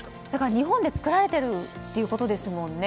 日本で作られているということですよね。